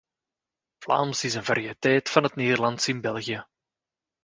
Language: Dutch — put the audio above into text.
Vlaams is een variëteit van het Nederlands in België.